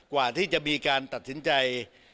กว่าที่จะมีการตัดสินใจ